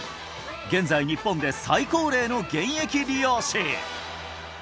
現在日本で最高齢の現役理容師！